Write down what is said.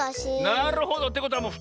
なるほど！ってことはもう２つきえた。